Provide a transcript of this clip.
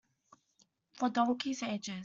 For donkeys' ages.